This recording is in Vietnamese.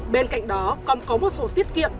bên cạnh đó còn có một số tiết kiệm